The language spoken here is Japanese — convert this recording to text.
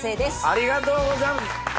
ありがとうございます。